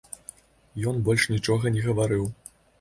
Ён больш нічога не гаварыў.